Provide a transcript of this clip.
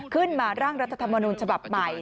ขึ้นมาร่างรัฐธรรมนูลฉบับใหม่